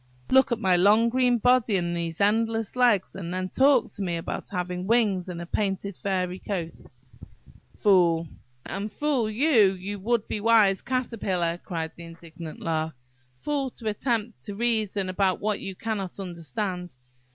Look at my long green body and these endless legs, and then talk to me about having wings and a painted feathery coat! Fool!–" "And fool you! you would be wise Caterpillar!" cried the indignant lark. "Fool, to attempt to reason about what you cannot understand!